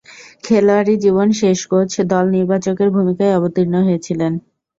খেলোয়াড়ী জীবন শেষে কোচ, দল নির্বাচকের ভূমিকায় অবতীর্ণ হয়েছিলেন।